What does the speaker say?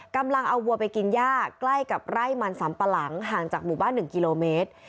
กำลังเอาวัวไปกินย่าใกล้กับไร่มันสำปะหลังห่างจากหมู่บ้าน๑กิโลเมตร